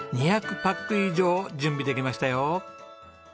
２００パック以上準備できましたよ。